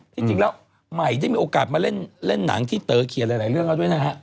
จริงแล้วใหม่ได้มีโอกาสมาเล่นหนังที่เต๋อเขียนหลายเรื่องแล้วด้วยนะฮะ